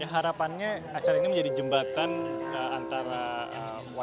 harapannya acara ini menjadi jembatan antara pembicara dan pembicaraan